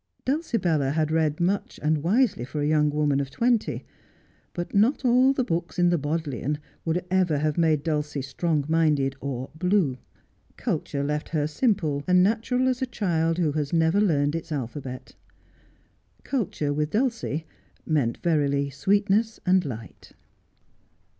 Uulcibella had read much and wisely for a young woman of twenty ; but not all the books in the Bodleian would ever have made Dulcie strong minded or ' blue.' Culture left her simple and natural as a child who had never learned its alphabet. Culture with Dulcie meant, verily, sweetness and light.